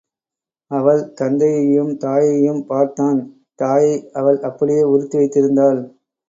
அவள் தந்தையையும் தாயையும் பார்த்தான் தாயை அவள் அப்படியே உரித்து வைத்திருந்தாள்.